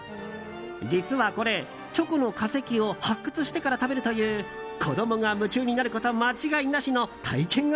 実はこれ、チョコの化石を発掘してから食べるという子供が夢中になること間違いなしの体験型